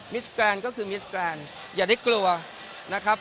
สแกรนด์ก็คือมิสแกรนด์อย่าได้กลัวนะครับ